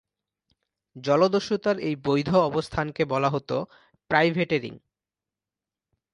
জলদস্যুতার এই বৈধ অবস্থানকে বলা হতো প্রাইভেটেরিং।